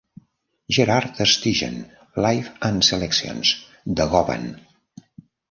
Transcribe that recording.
"Gerhard Tersteegen: Life and Selections" de Govan.